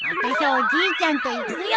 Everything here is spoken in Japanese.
おじいちゃんと行くよ！